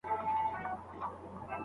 د زده کړې ملاتړ د کورنۍ مسؤلیت دی.